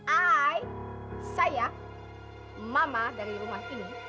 ai saya mama dari rumah ini